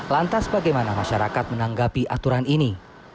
lantas bagaimana masyarakat menanggapi aturan ini